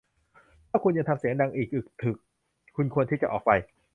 ถ้าคุณยังทำเสียงดังอึกทึกอีก คุณควรที่จะออกไป